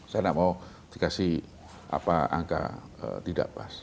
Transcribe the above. saya tidak mau dikasih angka tidak pas